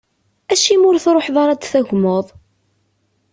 Acim i ur truḥeḍ ara ad d-tagmeḍ?